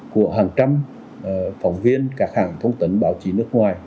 của hàng trăm phóng viên các hàng thông tin báo chí nước ngoài